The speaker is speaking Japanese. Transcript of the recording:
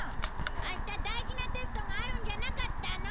明日大事なテストがあるんじゃなかったの！？